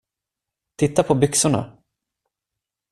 Titta på byxorna.